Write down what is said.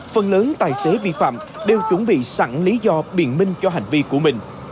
phần lớn tài xế vi phạm đều chuẩn bị sẵn lý do biện minh cho hành vi của mình